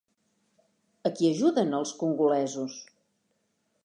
A qui ajuden els congolesos?